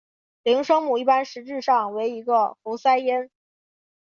零声母一般实质上为一个喉塞音。